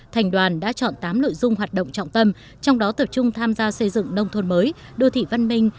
thành đoàn đã chọn tám nội dung hoạt động trọng tâm trong đó tập trung tham gia xây dựng nông thôn mới đô thị văn minh